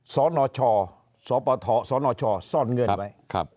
สนชสสนชซ่อนเงินไว้